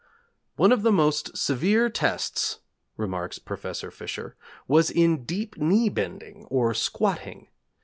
'One of the most severe tests,' remarks Professor Fisher, 'was in deep knee bending, or "squatting."